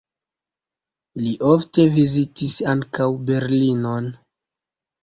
Li ofte vizitis ankaŭ Berlinon.